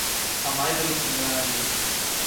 אַ מיידעלע פון דריי יאָר